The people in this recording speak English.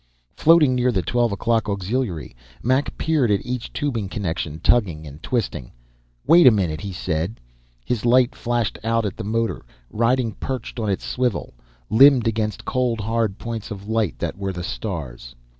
Floating near the twelve o'clock auxiliary, Mac peered at each tubing connection, tugging and twisting. "Wait a minute," he said. His light flashed out at the motor, riding perched on its swivel, limned against cold, hard points of light that were the stars.